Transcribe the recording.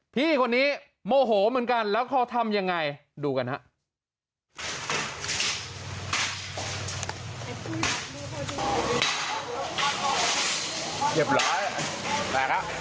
พี่คนนี้โมโหเหมือนกันแล้วเขาทำยังไงดูกันฮะ